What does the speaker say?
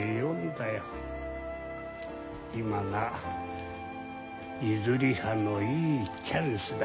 今がユズリハのいいチャンスだ。